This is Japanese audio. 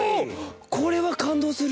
これは感動する。